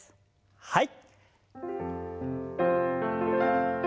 はい。